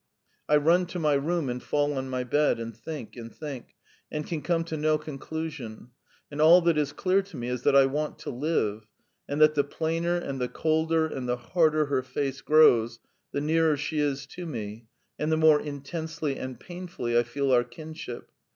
I run to my room and fall on my bed, and think and think, and can come to no conclusion; and all that is clear to me is that I want to live, and that the plainer and the colder and the harder her face grows, the nearer she is to me, and the more intensely and painfully I feel our kinship.